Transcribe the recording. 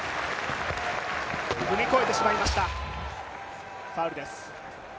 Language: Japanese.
踏み越えてしまいました、ファウルです。